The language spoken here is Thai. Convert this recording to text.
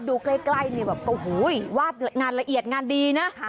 ดูใกล้ใกล้แบบก็โอ้โหว้ยวาดงานละเอียดงานดีนะค่ะ